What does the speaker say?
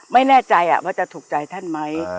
ไม่แน่ใจว่าจะถูกใจท่านไหม